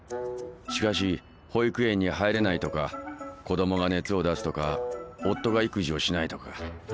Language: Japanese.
しかし保育園に入れないとか子供が熱を出すとか夫が育児をしないとか。